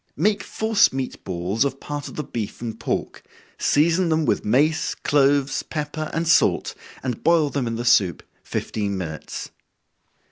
Make force meat balls of part of the beef and pork, season them with mace, cloves, pepper, and salt, and boil them in the soup fifteen minutes.